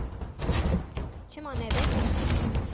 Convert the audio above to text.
Çima nebe?